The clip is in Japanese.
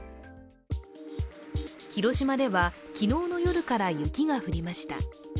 広島では昨日の夜から雪が降りました。